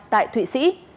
tại thụy sĩ